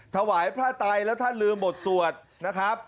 ถวายพระไตแล้วท่านลืมบทสวดนะครับ